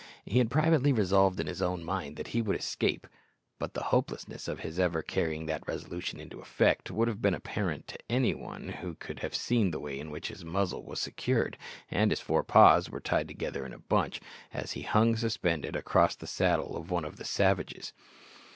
He had privately resolved in his own mind that he would escape; but the hopelessness of his ever carrying that resolution into effect would have been apparent to any one who could have seen the way in which his muzzle was secured, and his four paws were tied together in a bunch, as he hung suspended across the saddle of one of the savages!